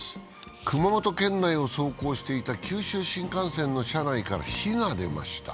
熊本県内を走行していた九州新幹線の車内からこの日、火が出ました。